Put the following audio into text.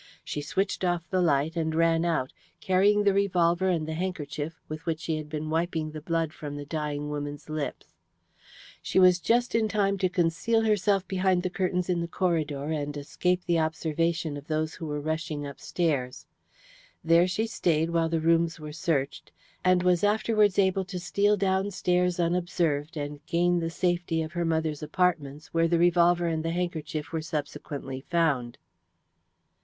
She switched off the light and ran out, carrying the revolver and the handkerchief with which she had been wiping the blood from the dying woman's lips. She was just in time to conceal herself behind the curtains in the corridor and escape the observation of those who were rushing upstairs. There she stayed while the rooms were searched, and was afterwards able to steal downstairs unobserved and gain the safety of her mother's apartments, where the revolver and the handkerchief were subsequently found."